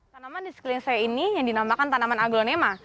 tanaman di sekeliling saya ini yang dinamakan tanaman aglonema